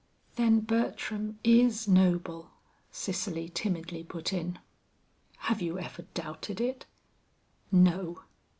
"Then Bertram is noble," Cicely timidly put in. "Have you ever doubted it?" "No."